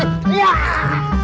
aduh aduh aduh